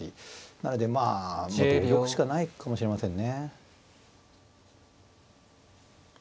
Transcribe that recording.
なのでまあもう同玉しかないかもしれませんね。